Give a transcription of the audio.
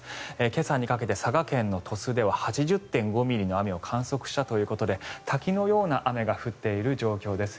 今朝にかけて佐賀県の鳥栖では８０．５ミリの雨を観測したということで滝のような雨が降っている状況です。